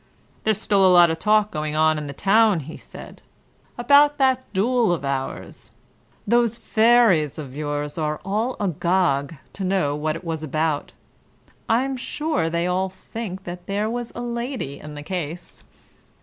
"There's still a lot of talk going on in the town," he said, "about that duel of ours. Those fairies of yours are all agog to know what it was about. I am sure they all think that there was a lady in the case.